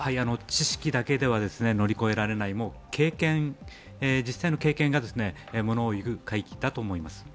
知識だけでは乗り越えられない、実際の経験が物をいう海域だと思います。